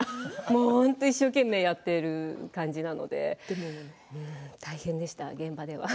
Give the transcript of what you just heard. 本当に一生懸命やっている感じなので大変でした、現場では。